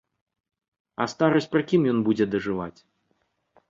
А старасць пры кім ён будзе дажываць?